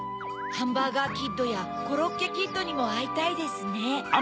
ハンバーガーキッドやコロッケキッドにもあいたいですね。